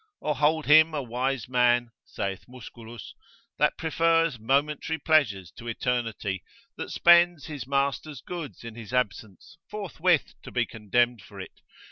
or hold him a wise man (saith Musculus) that prefers momentary pleasures to eternity, that spends his master's goods in his absence, forthwith to be condemned for it?